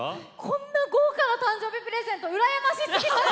こんな豪華な誕生日プレゼント羨ましすぎます。